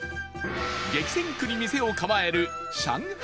激戦区に店を構える上海